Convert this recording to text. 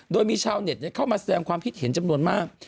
โดยมีชาวเน็ตเข้ามาแสดงความคิดเห็นจำนวนมาก